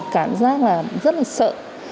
cảm giác là rất là sợ